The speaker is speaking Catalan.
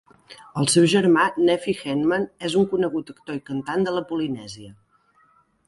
El seu germà Nephi Hannemann és un conegut actor i cantant de la Polinèsia.